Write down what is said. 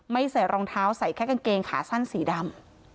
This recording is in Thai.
ใส่รองเท้าใส่แค่กางเกงขาสั้นสีดำ